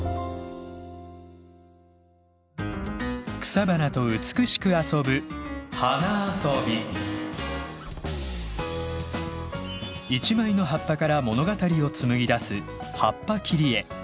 草花と美しく遊ぶ一枚の葉っぱから物語を紡ぎ出す葉っぱ切り絵。